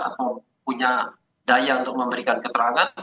atau punya daya untuk memberikan keterangan